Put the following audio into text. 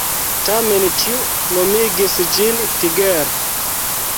Tamen ĉiu nomigis ĝin Tiger.